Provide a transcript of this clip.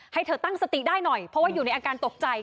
ให้เธอตั้งสติได้หน่อยเพราะว่าอยู่ในอาการตกใจ